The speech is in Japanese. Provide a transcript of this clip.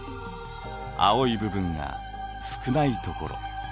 青い部分が少ないところ。